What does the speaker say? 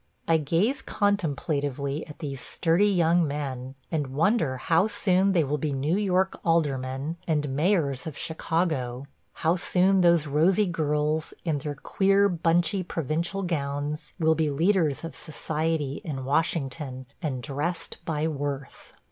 I gaze contemplatively at these sturdy young men, and wonder how soon they will be New York aldermen and mayors of Chicago; how soon those rosy girls, in their queer, bunchy, provincial gowns, will be leaders of society in Washington and dressed by Worth.